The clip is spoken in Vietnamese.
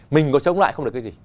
mình có chống lại không được cái gì